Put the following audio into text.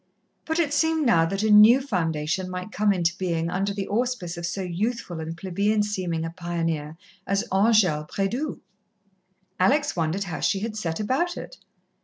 But it seemed now that a new foundation might come into being under the auspice of so youthful and plebeian seeming a pioneer as Angèle Prédoux. Alex wondered how she had set about it.